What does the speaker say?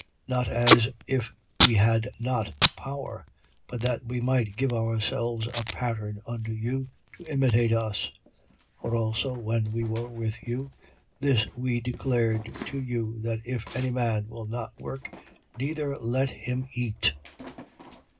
3:9. Not as if we had not power: but that we might give ourselves a pattern unto you, to imitate us. 3:10. For also, when we were with you, this we declared to you: that, if any man will not work, neither let him eat.